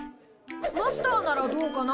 マスターならどうかな？